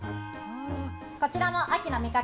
こちらも秋の味覚。